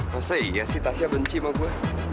masa iya sih tasnya benci mah gua